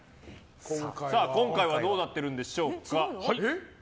今回はどうなってるんでしょうか。